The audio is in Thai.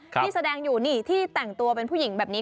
ที่แสดงอยู่นี่ที่แต่งตัวเป็นผู้หญิงแบบนี้